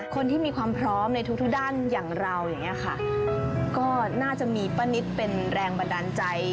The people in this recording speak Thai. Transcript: คนที่มีความพร้อมในทุกด้านอย่างเราอย่างนี้ค่ะก็น่าจะมีป้านิตเป็นแรงบันดาลใจ